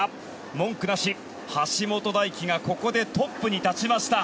文句なし、橋本大輝がここでトップに立ちました。